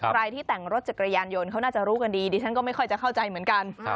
ใครที่แต่งรถจักรยานยนต์เขาน่าจะรู้กันดีดิฉันก็ไม่ค่อยจะเข้าใจเหมือนกัน